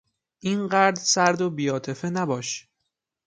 اینقدر سرد و بیعاطفه نباش.